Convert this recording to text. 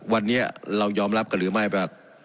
วันนี้เรายอมรับกันหรือไม่ว่า